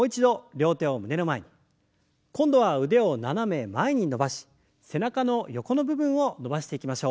今度は腕を斜め前に伸ばし背中の横の部分を伸ばしていきましょう。